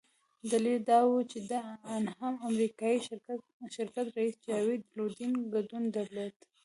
دلیل یې دا وو چې د انهم امریکایي شرکت رییس جاوید لودین ګډون درلود.